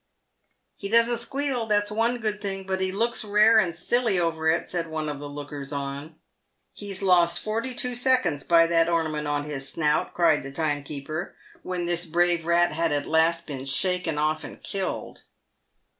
" He doesn't squeal, that's one good thing, but he looks rare and silly over it," said one of the lookers on. " He's lost forty two seconds by that ornament on his snout," cried the timekeeper, when this brave rat had at last been shaken off and killed.